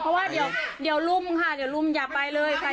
เพราะว่าเดี๋ยวลุ้มค่ะเดี๋ยวลุ้มอย่าไปเลยไทยอย่าไป